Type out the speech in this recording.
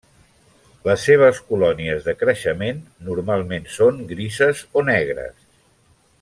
Les seves colònies de creixement normalment són grises o negres.